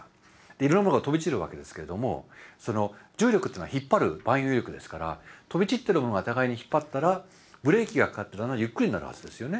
いろいろなものが飛び散るわけですけれども重力っていうのは引っ張る万有引力ですから飛び散ってるものがお互いに引っ張ったらブレーキがかかってだんだんゆっくりになるはずですよね。